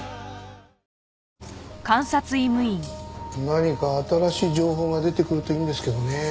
何か新しい情報が出てくるといいんですけどねえ。